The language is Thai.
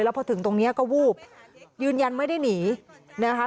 พอถึงตรงนี้ก็วูบยืนยันไม่ได้หนีนะคะ